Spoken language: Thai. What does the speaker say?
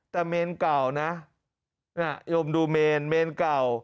แต่เมนเก่านะโยมดูเมนเมนเก่า